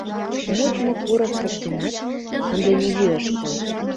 Модмо курык воктенат ынде нигӧ ыш кой.